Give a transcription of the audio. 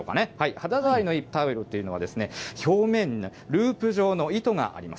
肌触りのいいタオルというのは、表面がループ状の糸があります。